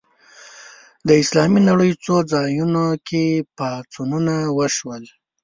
د اسلامي نړۍ څو ځایونو کې پاڅونونه وشول